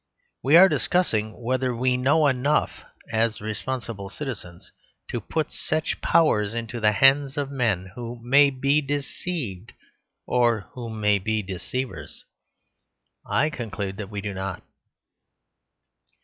We are discussing whether we know enough, as responsible citizens, to put such powers into the hands of men who may be deceived or who may be deceivers. I conclude that we do not.